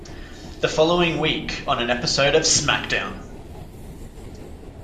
The following week on an episode of SmackDown!